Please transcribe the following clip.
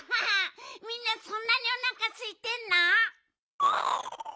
みんなそんなにおなかすいてんの？